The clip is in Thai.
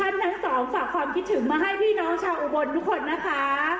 ทั้งสองฝากความคิดถึงมาให้พี่น้องชาวอุบลทุกคนนะคะ